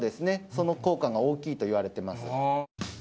その効果が大きいといわれてます